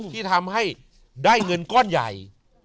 ที่ทำให้ได้เงินก้อนใหญ่